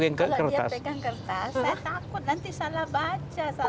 kalau dia pegang kertas saya takut nanti salah baca